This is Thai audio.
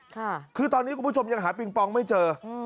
ค่ะคือตอนนี้คุณผู้ชมยังหาปิงปองไม่เจออืม